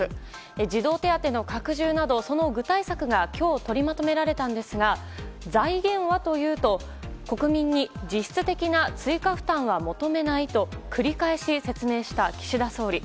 児童手当の拡充などその具体策が今日、取りまとめられたんですが財源はというと国民に実質的な追加負担は求めないと繰り返し説明した岸田総理。